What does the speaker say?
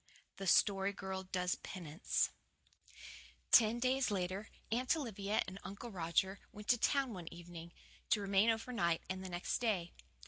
THE STORY GIRL DOES PENANCE Ten days later, Aunt Olivia and Uncle Roger went to town one evening, to remain over night, and the next day.